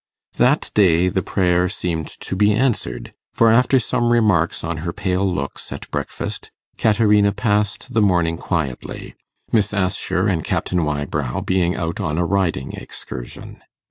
That day the prayer seemed to be answered, for after some remarks on her pale looks at breakfast, Caterina passed the morning quietly, Miss Assher and Captain Wybrow being out on a riding excursion.